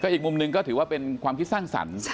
อีกมุมหนึ่งก็ถือว่าเป็นความคิดสร้างสรรค์